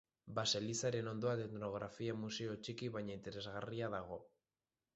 Baselizaren ondoan etnografia museo txiki baina interesgarria dago.